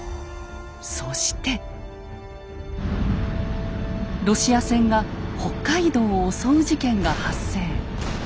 そしてロシア船が北海道を襲う事件が発生。